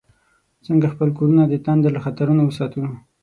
څنګه خپل کورونه د تندر له خطرونو وساتو؟